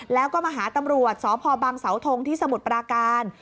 แล้วก็มาหาตำรวจสพบังเสาทงที่สมุทรปราการ